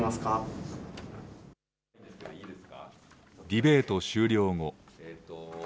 ディベート終了後。